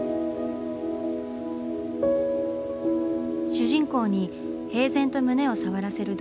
主人公に平然と胸を触らせる同級生。